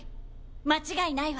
間違いないわ。